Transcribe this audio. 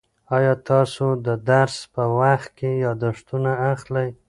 آیا تاسو د درس په وخت کې یادښتونه اخلئ؟